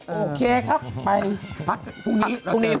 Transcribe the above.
โอเคครับไปพักพรุ่งนี้